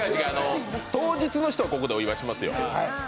当日の人はここでお祝いしますよ。